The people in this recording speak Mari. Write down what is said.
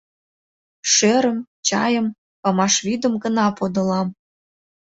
Шӧрым, чайым, памаш вӱдым гына подылам.